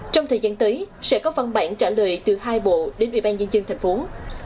trong thời gian tới sẽ có văn bản trả lời từ hai bộ đến ủy ban nhân dân thành phố